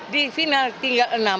di final tinggal enam